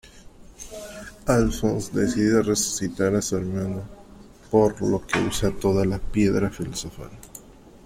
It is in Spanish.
Alphonse decide resucitar a su hermano, por lo que usa toda la Piedra Filosofal.